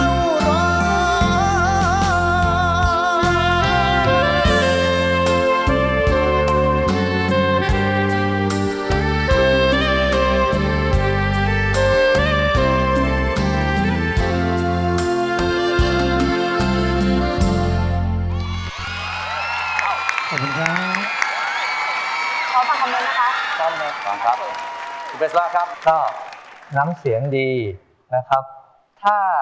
ช่วยฝังดินหรือกว่า